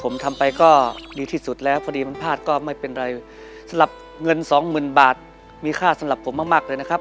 ผมทำไปก็ดีที่สุดแล้วพอดีอย่างพลาดสำหรับเงิน๒๐๐๐๐บาทมีค่าสำหรับผมมากเลยนะครับ